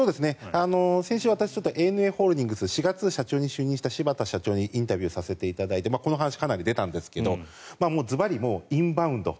先週ＡＮＡホールディングスの４月に社長に就任したシバタ社長にインタビューさせていただいてこの話、出たんですがずばりインバウンド